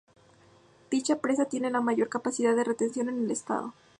Dicha presa tiene la mayor capacidad de retención en el estado.